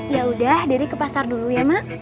ya udah jadi ke pasar dulu ya mak